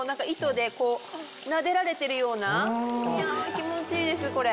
気持ちいいですこれ。